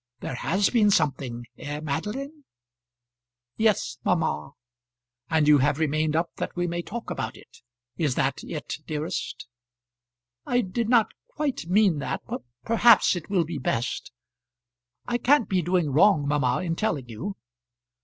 There has been something; eh, Madeline?" "Yes, mamma." "And you have remained up that we may talk about it. Is that it, dearest?" "I did not quite mean that, but perhaps it will be best. I can't be doing wrong, mamma, in telling you."